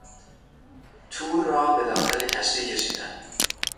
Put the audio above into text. تور را به داخل کشتی کشیدن